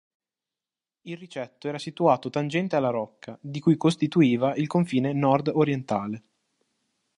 Il ricetto era situato tangente alla rocca, di cui costituiva il confine nord-orientale.